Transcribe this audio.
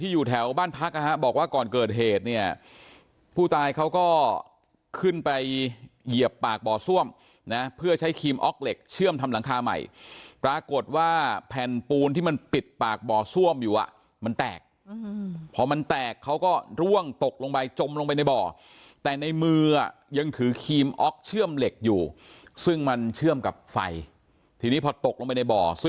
อยู่แถวบ้านพักนะฮะบอกว่าก่อนเกิดเหตุเนี่ยผู้ตายเขาก็ขึ้นไปเหยียบปากบ่อซ่วมนะเพื่อใช้ครีมออกเหล็กเชื่อมทำหลังคาใหม่ปรากฏว่าแผ่นปูนที่มันปิดปากบ่อซ่วมอยู่อ่ะมันแตกพอมันแตกเขาก็ร่วงตกลงไปจมลงไปในบ่อแต่ในมืออ่ะยังถือครีมออกเชื่อมเหล็กอยู่ซึ่งมันเชื่อมกับไฟทีนี้พอตกลงไปในบ่อซ